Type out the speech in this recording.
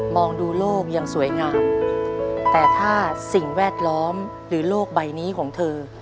องดูโลกอย่างสวยงามแต่ถ้าสิ่งแวดล้อมหรือโลกใบนี้ของเธอ